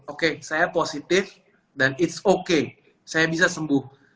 oke saya positif dan it's okay saya bisa sembuh